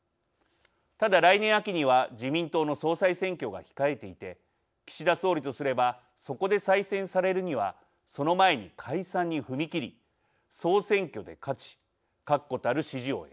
ただ来年秋には自民党の総裁選挙が控えていて岸田総理とすればそこで再選されるにはその前に解散に踏み切り総選挙で勝ち確固たる支持を得たい。